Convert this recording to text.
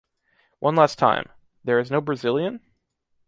One last time... There is no Brazilian?...